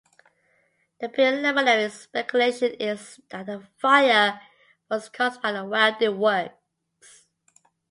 The preliminary speculation is that the fire was caused by welding works.